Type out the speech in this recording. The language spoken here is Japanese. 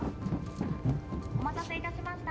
お待たせいたしました。